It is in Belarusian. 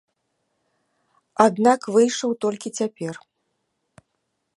Аднак выйшаў толькі цяпер.